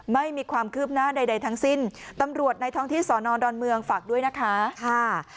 ไม่มีความคืบหน้าใดทั้งสิ้นตำรวจในท้องที่สอนอดอนเมืองฝากด้วยนะคะค่ะ